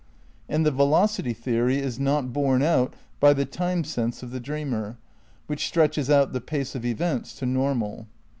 And the velocity theory is not borne out by the time sense of the dreamer, which stretches out the pace of events to normal.